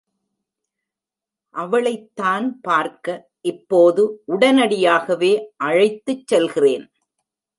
அவளைத்தான் பார்க்க இப்போது உடனடியாகவே அழைத்துச் செல்கிறேன்.